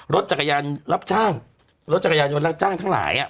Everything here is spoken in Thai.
รถจักรยานรับจ้างรถจักรยานยนต์รับจ้างทั้งหลายอ่ะ